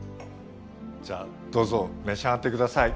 じゃあどうぞ召し上がってください。